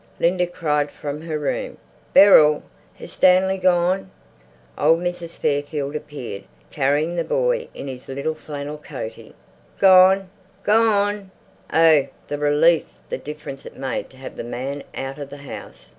Linda cried from her room: "Beryl! Has Stanley gone?" Old Mrs. Fairfield appeared, carrying the boy in his little flannel coatee. "Gone?" "Gone!" Oh, the relief, the difference it made to have the man out of the house.